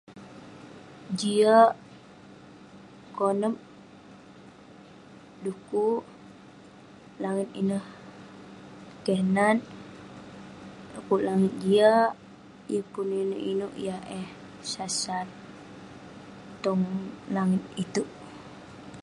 Jiak konep dukuk langit ineh keh nat..dukuk langit jiak, yeng pun inouk inouk yah eh sat sat..tong langit itouk.